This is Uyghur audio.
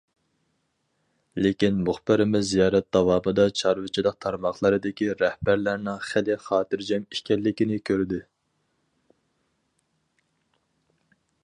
لېكىن مۇخبىرىمىز زىيارەت داۋامىدا چارۋىچىلىق تارماقلىرىدىكى رەھبەرلەرنىڭ خېلى خاتىرجەم ئىكەنلىكىنى كۆردى.